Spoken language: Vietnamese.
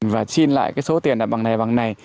và xin lại cái số tiền là bằng này bằng này